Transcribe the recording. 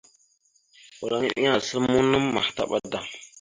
Walŋa eɗiŋa asal muuna mahətaɓ da.